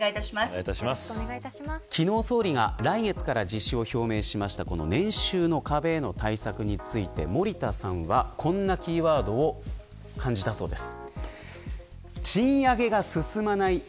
昨日、総理が来月から実施を表明しました年収の壁への対策について森田さんはこんなキーワードを感じたそうです。